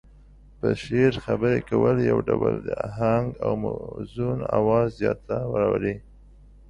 په شعر خبرې کول يو ډول اهنګ او موزون اواز ياد ته راولي.